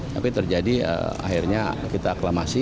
tapi terjadi akhirnya kita aklamasi